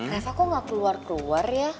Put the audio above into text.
rasa kok gak keluar keluar ya